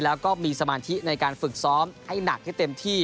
แล้วก็มีสมาธิในการฝึกซ้อมให้หนักให้เต็มที่